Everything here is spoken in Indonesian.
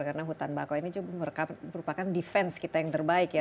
karena hutan bakau ini merupakan defense kita yang terbaik ya